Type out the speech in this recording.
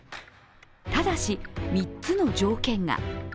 ただし３つの条件が。